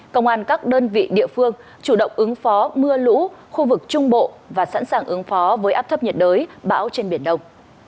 công an các đơn vị địa phương chủ động ứng phó mưa lũ khu vực trung bộ và sẵn sàng ứng phó với áp thấp nhiệt đới bão trên biển đông